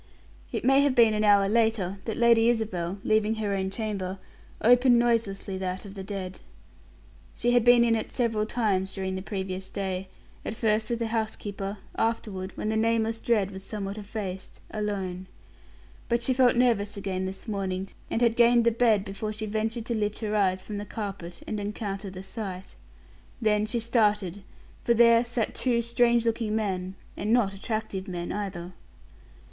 It may have been an hour later that Lady Isabel, leaving her own chamber, opened noiselessly that of the dead. She had been in it several times during the previous day; at first with the housekeeper; afterward, when the nameless dread was somewhat effaced, alone. But she felt nervous again this morning, and had gained the bed before she ventured to lift her eyes from the carpet and encounter the sight. Then she started, for there sat two strange looking men and not attractive men either.